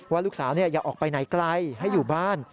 ว่าลูกสาวอย่าออกไปไหนไกลให้อยู่บ้าน